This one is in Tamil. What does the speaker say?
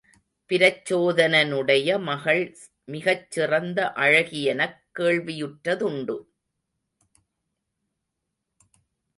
பிரச்சோதனனுடைய மகள் மிகச் சிறந்த அழகியெனக் கேள்வியுற்றதுண்டு.